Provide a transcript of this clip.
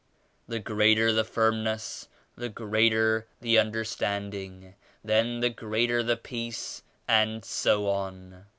The greater the firmness, the greater the understand ing. Then the greater the Peace and so on.